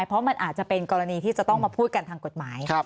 เพราะมันอาจจะเป็นกรณีที่จะต้องมาพูดกันทางกฎหมาย